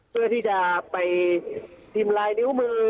เพื่อที่จะไปพิมพ์ลายนิ้วมือ